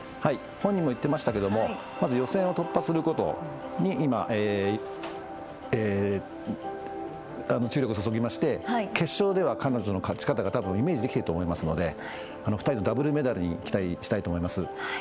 本人も言ってましたけどまずは予選を突破することに今、注力を注ぎまして、決勝ではたぶん、彼女の勝ち方がたぶんイメージできていると思いますので２人のダブルメダルに期待したいと思います。